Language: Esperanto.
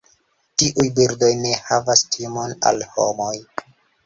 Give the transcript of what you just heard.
Tiuj birdoj ne havas timon al homoj.